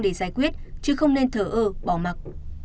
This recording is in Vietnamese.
để giải quyết chứ không nên thở ơ bỏ mặt